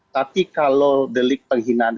tapi kalau delik penghinaan